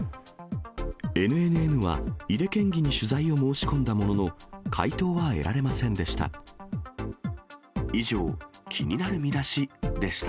ＮＮＮは井手県議に取材を申し込んだものの、回答は得られませんでした。